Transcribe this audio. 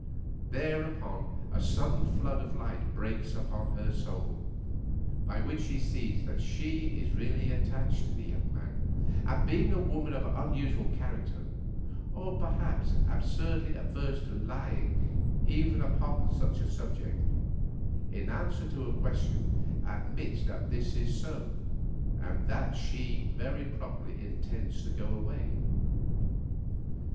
Thereupon a sudden flood of light breaks upon her soul, by which she sees that she is really attached to the young man, and being a woman of unusual character, or perhaps absurdly averse to lying even upon such a subject, in answer to a question admits that this is so, and that she very properly intends to go away.